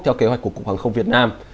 theo kế hoạch của cục hàng không việt nam